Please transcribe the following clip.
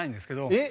えっ！